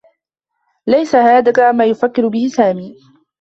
ليس هذا ما يفكّره سامي.